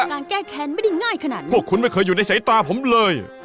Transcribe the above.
การแก้แค้นไม่ได้ง่ายขนาดนี้พวกคุณไม่เคยอยู่ในสายตาผมเลย